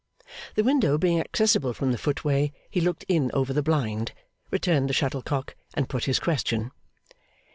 The window being accessible from the footway, he looked in over the blind, returned the shuttlecock, and put his question.